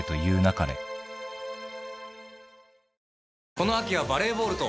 この秋はバレーボールと。